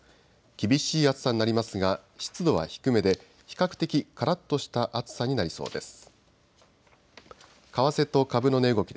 厳しい暑さになりますが湿度は低めで比較的からっとした暑さになりそうです。